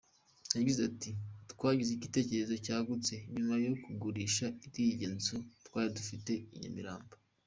Yagize ati “Twagize igitekerezo cyagutse, nyuma yo kugurisha iriya nzu twari dufite i Nyamirambo.